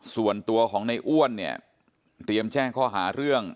ส่วนตัวของในอ้วนเนี่ยเตรียมแจ้งข้อหาเรื่อง